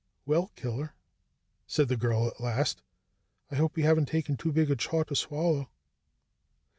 "Well, Killer," said the girl at last, "I hope we haven't taken too big a chaw to swallow."